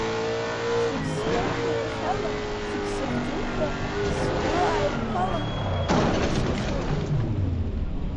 Зегь сымоушәа иахьала, зегь сыхӡушәа, сгәы ааиқәҳәалан, ахара сыԥшуеит.